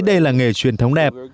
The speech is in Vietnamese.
đây là nghề truyền thống đẹp